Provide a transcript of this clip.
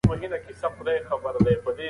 ایا بېټکوین عاید راوړي؟